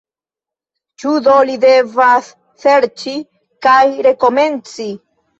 Ĉu do li devas serĉi kaj rekomenci?